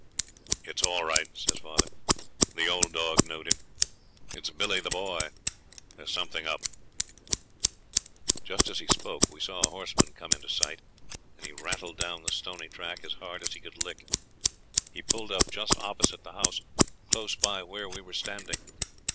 'It's all right,' says father. 'The old dog knowed him; it's Billy the Boy. There's something up.' Just as he spoke we saw a horseman come in sight; and he rattled down the stony track as hard as he could lick. He pulled up just opposite the house, close by where we were standing.